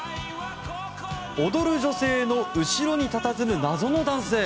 踊る女性の後ろにたたずむ謎の男性。